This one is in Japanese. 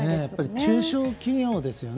中小企業ですよね。